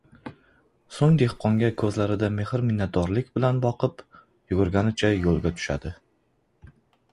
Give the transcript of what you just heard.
Soʻng dehqonga koʻzlarida mehr-minnatdorlik bilan boqib, yugurganicha yoʻlga tushadi.